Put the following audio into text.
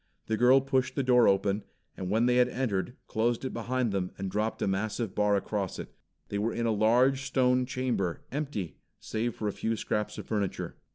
The girl pushed the door open, and when they had entered, closed it behind them and dropped a massive bar across it. They were in a large, stone chamber, empty save for a few scraps of furniture.